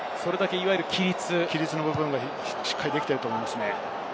規律の部分がしっかりできていると思いますね。